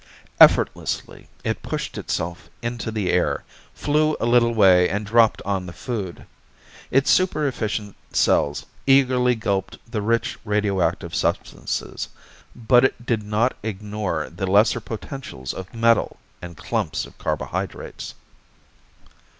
Effortlessly it pushed itself into the air, flew a little way and dropped on the food. Its super efficient cells eagerly gulped the rich radioactive substances. But it did not ignore the lesser potentials of metal and clumps of carbohydrates.